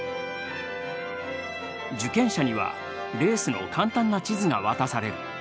受験者にはレースの簡単な地図が渡される。